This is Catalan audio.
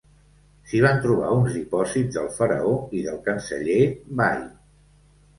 S'hi van trobar uns dipòsits del faraó i del canceller Bai.